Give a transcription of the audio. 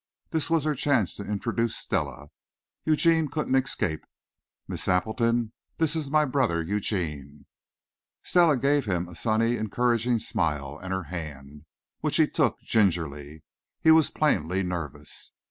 This was her chance to introduce Stella; Eugene couldn't escape. "Miss Appleton, this is my brother Eugene." Stella gave him a sunny encouraging smile, and her hand, which he took gingerly. He was plainly nervous.